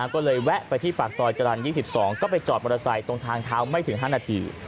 ก็เลยแวะไปที่ปากซอยจรรย์๒๒ก็ไปจอดมอเตอร์ไซค์ตรงทางเท้าไม่ถึง๕นาที